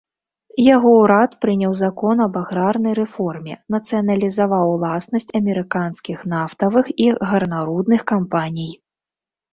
Яго ўрад прыняў закон аб аграрнай рэформе, нацыяналізаваў уласнасць амерыканскіх нафтавых і гарнарудных кампаній.